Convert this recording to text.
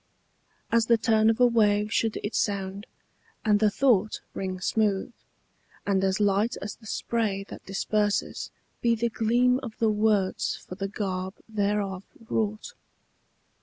As the turn of a wave should it sound, and the thought Ring smooth, and as light as the spray that disperses Be the gleam of the words for the garb thereof wrought.